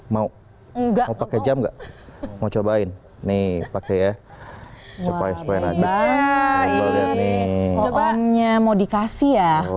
mau enggak pakai jam enggak mau cobain nih pakai ya supaya supaya aja ini omnya mau dikasih ya